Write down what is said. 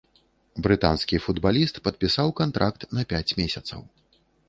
Брытанскі футбаліст падпісаў кантракт на пяць месяцаў.